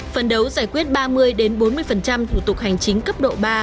phần đấu giải quyết ba mươi bốn mươi thủ tục hành chính cấp độ ba